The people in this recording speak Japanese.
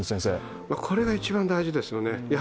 これが一番大事ですよね。